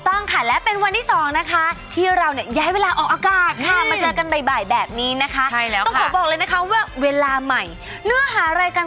โอ้โหสวัสดีวันค่ะคุณผู้ชมถึงทางนู้น